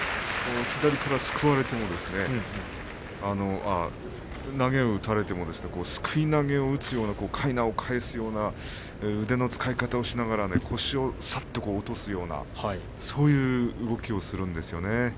左からすくわれても投げを打たれてもすくい投げを打つような、かいなを返すような腕の使い方をしながら腰をさっと落とすようなそういう動きをするんですよね。